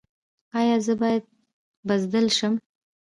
ایا زه باید بزدل شم؟